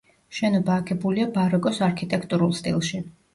შენობა აგებულია ბაროკოს არქიტექტურულ სტილში.